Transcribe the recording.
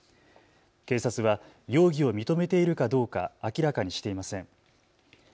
警察は容疑を認めているかどうか明らかにしていません。